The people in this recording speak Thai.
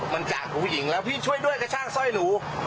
มันจากผู้หญิงแล้วพี่ช่วยด้วยกระชากสร้อยหนู